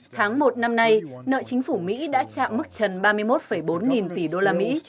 tháng một năm nay nợ chính phủ mỹ đã chạm mức trần ba mươi một bốn nghìn tỷ đô la mỹ